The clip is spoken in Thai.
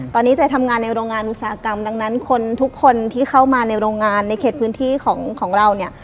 ตอนนี้เจ๊ทำงานในโรงงานอุตสาหกรรมดังนั้นคนทุกคนที่เข้ามาในโรงงานในเขตพื้นที่ของเราเนี่ย